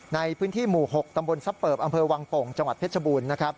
ในพื้นที่หมู่หกตำบลซับเปิบอำเภอวังตงจังหวัดเพชรชบูรณ์